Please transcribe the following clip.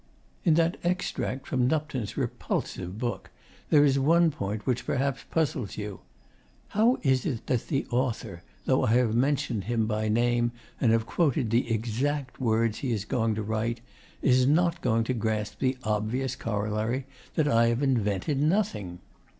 In that extract from Nupton's repulsive book there is one point which perhaps puzzles you. How is it that the author, though I have here mentioned him by name and have quoted the exact words he is going to write, is not going to grasp the obvious corollary that I have invented nothing?